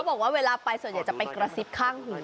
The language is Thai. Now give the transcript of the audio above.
บอกว่าเวลาไปส่วนใหญ่จะไปกระซิบข้างหู